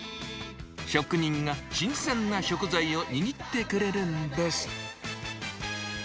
職人が新鮮な食材を握ってくれるんです。